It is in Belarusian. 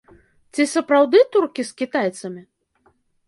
Ці сапраўды туркі з кітайцамі?